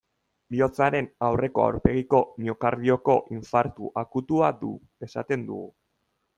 Bihotzaren aurreko aurpegiko miokardioko infartu akutua du, esaten dugu.